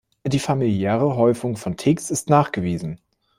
Die familiäre Häufung von Tics ist nachgewiesen.